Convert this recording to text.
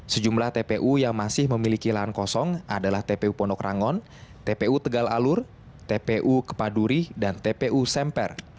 sejumlah tpu yang masih memiliki lahan kosong adalah tpu pondok rangon tpu tegal alur tpu kepaduri dan tpu semper